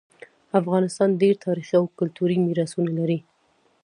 افغانستان ډیر تاریخي او کلتوری میراثونه لري